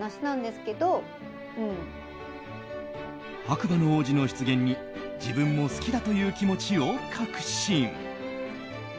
白馬の王子の出現に自分も好きだという気持ちを確信。